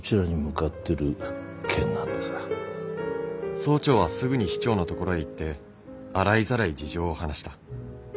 総長はすぐに市長のところへ行って洗いざらい事情を話した。